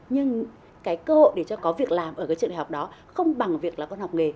nhưng cái cơ hội để cho có việc làm ở cái trường đại học đó không bằng việc là con học nghề